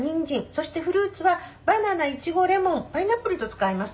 「そしてフルーツはバナナイチゴレモンパイナップルと使います。